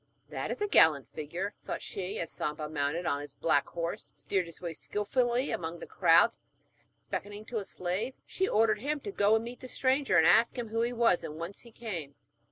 'That is a gallant figure,' thought she, as Samba, mounted on his big black horse, steered his way skilfully among the crowds; and, beckoning to a slave, she ordered him to go and meet the stranger, and ask him who he was and whence he came.